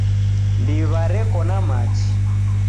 Ndiwa reko na machi